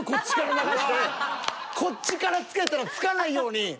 こっちからつけたらつかないように。